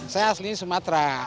saya asli sumatera